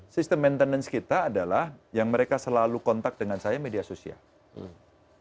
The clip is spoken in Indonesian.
sistem maintenance kita adalah yang mereka selalu kontak dengan saya media sosial